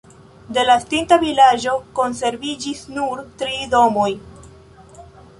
De la estinta vilaĝo konserviĝis nur tri domoj.